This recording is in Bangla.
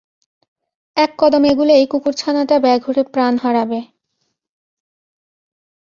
এক কদম এগোলেই, কুকুরছানাটা বেঘোরে প্রাণ হারাবে।